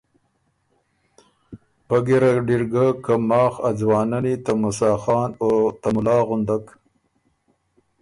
پۀ نر اِر ګۀ که ماخ ا ځوانني ته موسیٰ خان او ته مُلا غُندک